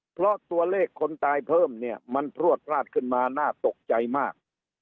เพราะตัวเลขคนตายเพิ่มเนี่ยมันพลวดพลาดขึ้นมาน่าตกใจมาก